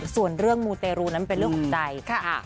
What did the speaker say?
ส่วนเรื่องมูเตรูนั้นเป็นเรื่องของใจค่ะ